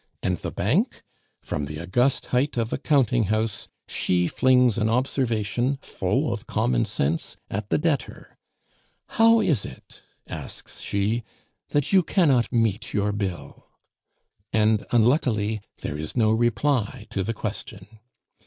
And the Bank? from the august height of a counting house she flings an observation, full of commonsense, at the debtor, "How is it?" asks she, "that you cannot meet your bill?" and, unluckily, there is no reply to the question.